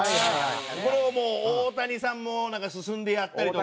これをもう大谷さんも進んでやったりとか。